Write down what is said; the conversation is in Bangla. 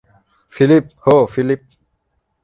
ফিলিপ, হো, ফিলিপ।